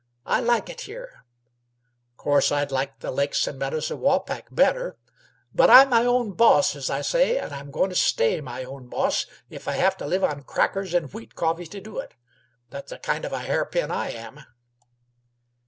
I like it here course I'd like the lakes an' meadows of Waupac better but I'm my own boss, as I say, and I'm goin' to stay my own boss if I have to live on crackers an' wheat coffee to do it; that's the kind of a hair pin I am."